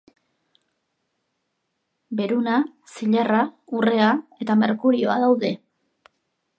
Beruna, zilarra, urrea eta merkurioa daude.